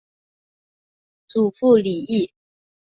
祖父李毅。